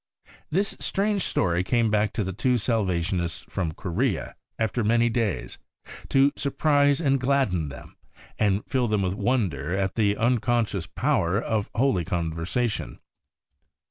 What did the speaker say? This strange story came back to the two Salvationists from Korea, after many days, to surprise and gladden them, and fill them with wonder at the unconscious power of holy conversation.